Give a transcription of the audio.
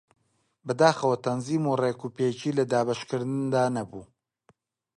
بەداخەوە تەنزیم و ڕێکوپێکی لە دابەشکردندا نەبوو